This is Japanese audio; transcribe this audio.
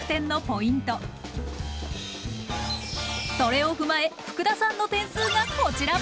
それを踏まえ福田さんの点数がこちら。